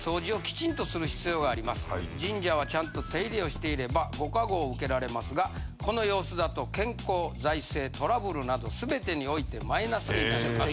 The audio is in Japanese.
「神社はちゃんと手入れをしていればご加護を受けられますがこの様子だと健康財政トラブルなど全てにおいてマイナスになります」。